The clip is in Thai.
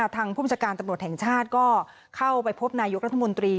ทางผู้บัญชาการตำรวจแห่งชาติก็เข้าไปพบนายกรัฐมนตรี